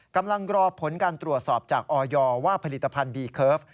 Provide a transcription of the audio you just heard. กำลังรอผลการตรวจสอบจากออยว่าผลิตภัณฑ์บีเคิร์ฟ